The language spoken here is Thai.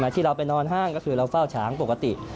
ที่เราไปนอนห้างก็คือเราเฝ้าฉางปกติ